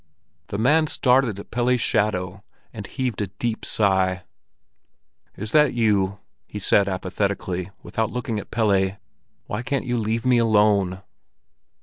The man started at Pelle's shadow, and heaved a deep sigh. "Is that you?" he said apathetically, without looking at Pelle. "Why can't you leave me alone?"